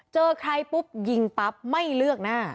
เจอใครปุ๊บยิงปั๊บไม่เลือกหน้า